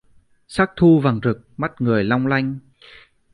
Sắc thu vàng rực mắt người long lanh